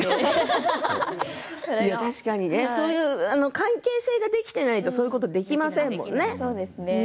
関係性ができてないとそういうことできませんよね。